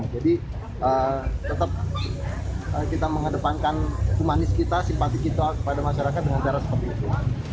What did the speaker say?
jadi tetap kita mengedepankan kumanis kita simpati kita kepada masyarakat dengan cara seperti itu